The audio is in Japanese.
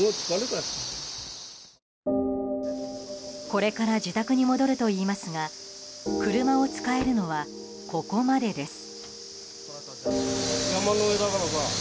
これから自宅に戻るといいますが車をつかえるのはここまでです。